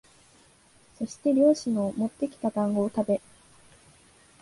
そして猟師のもってきた団子をたべ、